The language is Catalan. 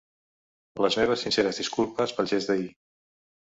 Les meves sinceres disculpes pel gest d’ahir.